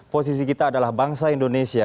posisi kita adalah bangsa indonesia